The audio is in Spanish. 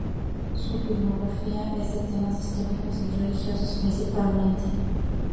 Su filmografía es de temas históricos y religiosos, principalmente.